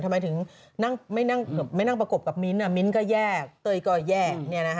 ทำไมถึงไม่นั่งประกบกับมิ้นท์ก็แยกเต้ยก็แยก